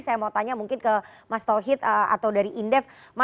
saya mau tanya mungkin ke mas tauhid atau dari indef